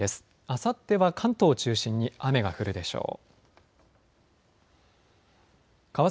あさっては関東を中心に雨が降るでしょう。